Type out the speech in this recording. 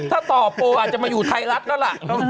ถ้าต่อโปรอาจจะมาอยู่ไทยรัฐแล้วล่ะ